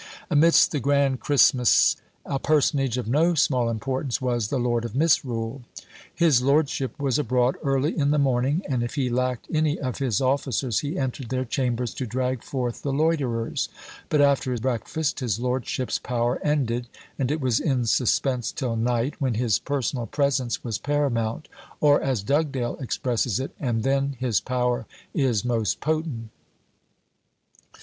Amidst "the grand Christmass," a personage of no small importance was "the Lord of Misrule." His lordship was abroad early in the morning, and if he lacked any of his officers, he entered their chambers to drag forth the loiterers; but after breakfast his lordship's power ended, and it was in suspense till night, when his personal presence was paramount, or, as Dugdale expresses it, "and then his power is most potent."